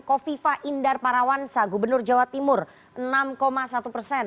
kofifa indar parawansa gubernur jawa timur enam satu persen